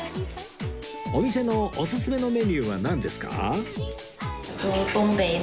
お店のオススメのメニューはなんですか？